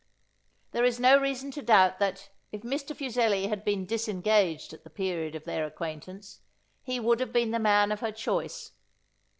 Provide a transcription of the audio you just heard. There is no reason to doubt that, if Mr. Fuseli had been disengaged at the period of their acquaintance, he would have been the man of her choice.